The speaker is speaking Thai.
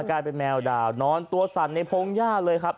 กลายเป็นแมวดาวนอนตัวสั่นในพงหญ้าเลยครับ